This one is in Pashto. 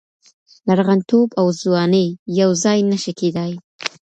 لرغونتوب او ځواني یو ځای نشي کېدای.